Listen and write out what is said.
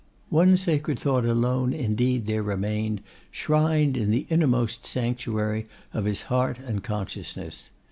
One sacred thought alone indeed there remained, shrined in the innermost sanctuary of his heart and consciousness.